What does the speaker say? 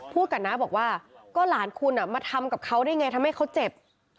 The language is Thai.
พูดกับน้าบอกว่าก็หลานคุณมาทำกับเขาได้ไงทำให้เขาเจ็บ